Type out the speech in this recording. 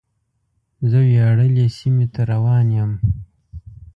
زه وياړلې سیمې ته روان یم.